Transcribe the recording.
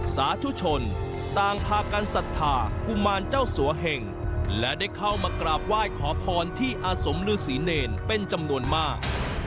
สาธุชนต่างพากันศรัทธากุมารเจ้าสัวเหงและได้เข้ามากราบไหว้ขอพรที่อาสมฤษีเนรเป็นจำนวนมาก